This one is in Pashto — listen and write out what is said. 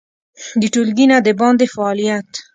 د ټولګي نه د باندې فعالیت